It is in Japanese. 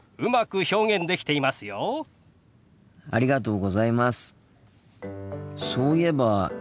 ありがとうございます。